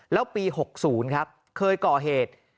แล้วปี๖๐ครับเคยก่อเหตุ